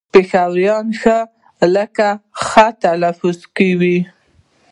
پېښوريان ښ لکه خ تلفظ کوي